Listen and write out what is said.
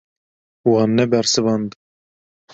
Wan nebersivand.